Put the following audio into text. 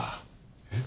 えっ？